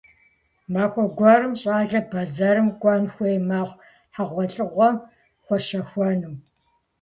Махуэ гуэрым щӀалэр бэзэрым кӀуэн хуей мэхъу, хьэгъуэлӀыгъуэм хуэщэхуэну.